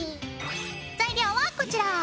材料はこちら！